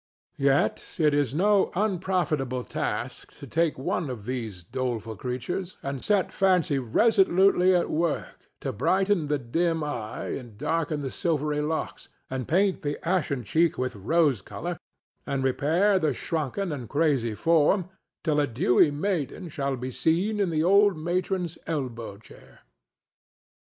Yet it is no unprofitable task to take one of these doleful creatures and set Fancy resolutely at work to brighten the dim eye, and darken the silvery locks, and paint the ashen cheek with rose color, and repair the shrunken and crazy form, till a dewy maiden shall be seen in the old matron's elbow chair.